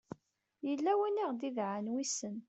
yella win i aɣ-d-idɛan wissen